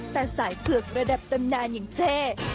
แต่สายเผือกระดับตำนานอย่างเช่